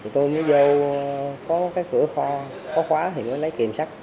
tôi mới vô có cửa kho có khóa thì mới lấy kiểm sát